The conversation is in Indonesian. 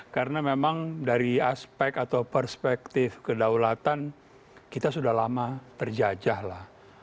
karena memang dari aspek atau perspektif kedaulatan kita sudah lama terjajah lah